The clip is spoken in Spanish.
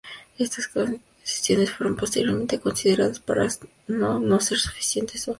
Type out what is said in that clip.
Estas sesiones fueron posteriormente consideradas para ser lo no suficiente en sonido moderno.